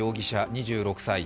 ２６歳。